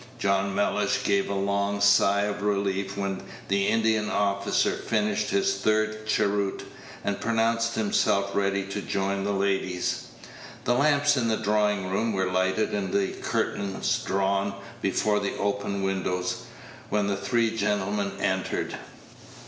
John Mellish gave a long sigh of relief when the Indian officer finished his third cheroot, and pronounced himself ready to join the ladies. The lamps in the drawing room were lighted, and the curtains drawn before the open windows, when the three gentlemen entered.